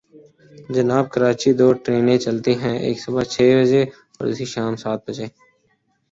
جناب، کراچی دو ٹرینیں چلتی ہیں، ایک صبح چھ بجے اور دوسری شام سات بجے۔